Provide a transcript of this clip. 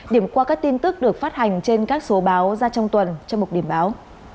điểm qua các tin tức được phát hành trên các số báo ra trong tuần trong mục điểm báo